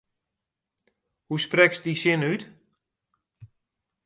Hoe sprekst dy sin út?